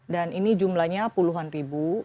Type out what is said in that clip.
dan ini jumlahnya puluhan ribu